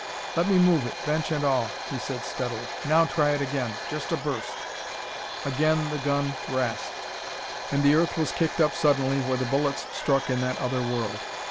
"Let me move it, bench and all," he said steadily. "Now try it again. Just a burst." Again the gun rasped. And the earth was kicked up suddenly where the bullets struck in that other world.